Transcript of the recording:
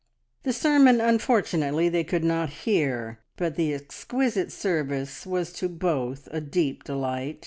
The sermon, unfortunately, they could not hear, but the exquisite service was to both a deep delight.